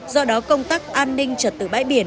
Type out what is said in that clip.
do đó công tác an ninh trật tự bãi biển